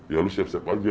ya lu siap siap aja